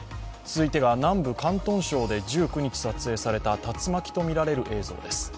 続いてが、南部広東州で１９日、撮影された竜巻とみられる映像です。